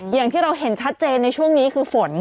อย่างที่เราเห็นชัดเจนในช่วงนี้คือฝน